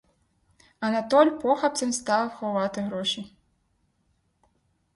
Анатоль похапцем став ховати гроші.